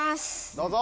どうぞ！